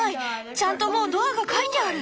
ちゃんともうドアが描いてある。